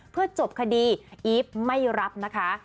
เพื่อจบคดีอีฟไม่รับนะคะ